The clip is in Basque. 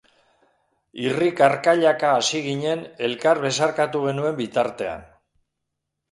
Irri-karkailaka hasi ginen elkar besarkatu genuen bitartean.